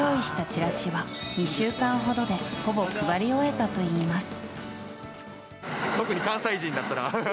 チラシは２週間ほどでほぼ配り終えたといいます。